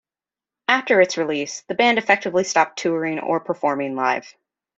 After its release, the band effectively stopped touring or performing live.